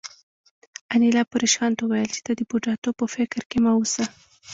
انیلا په ریشخند وویل چې ته د بوډاتوب په فکر کې مه اوسه